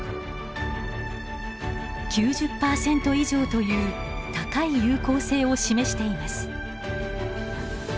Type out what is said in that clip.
９０％以上という高い有効性を示しています。